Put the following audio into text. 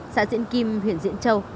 xã diện kim huyện diễn châu